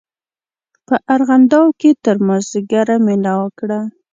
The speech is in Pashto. په ارغنداو کې تر مازیګره مېله وکړه.